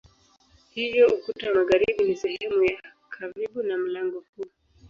Hivyo ukuta wa magharibi ni sehemu ya karibu na mlango huu.